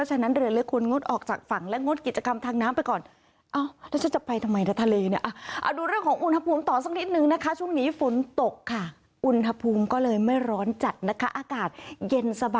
ส่วนอาวไทยตรงนี้กลางอาว